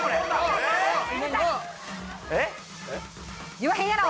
言わへんやろ！